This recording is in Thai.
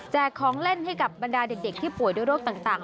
ของเล่นให้กับบรรดาเด็กที่ป่วยด้วยโรคต่าง